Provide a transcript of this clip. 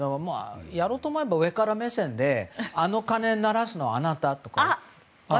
やろうと思えば上から目線であの鐘を鳴らすのはあなたとか。